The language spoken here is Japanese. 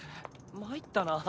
参ったな。